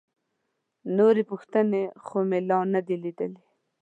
نورې پوښتنې خو مې لا نه دي لیدلي.